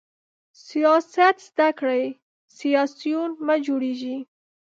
سیاست زده کړئ، سیاسیون مه جوړیږئ!